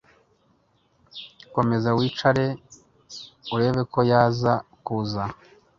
komeza wicare urebeko yaza kuza